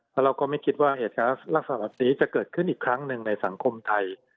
แล้วเราก็ไม่คิดว่าเหตุการณ์ลักษณะแบบนี้จะเกิดขึ้นอีกครั้งหนึ่งในสังคมไทย